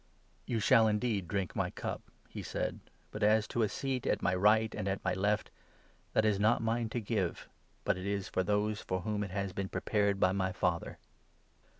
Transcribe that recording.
"You shall indeed drink my cup," he said, "but as to 23 a seat at my right and at my left — that is not mine to give, but it is for those for whom it has been prepared by my Father."